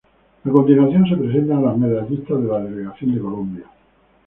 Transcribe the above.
A continuación, se presentan a los medallistas de la delegación de Colombia.